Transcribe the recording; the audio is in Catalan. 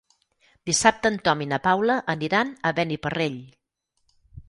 Dissabte en Tom i na Paula aniran a Beniparrell.